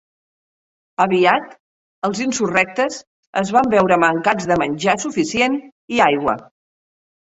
Aviat els insurrectes es van veure mancats de menjar suficient i aigua.